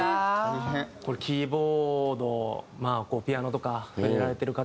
これキーボードまあピアノとかやられてる方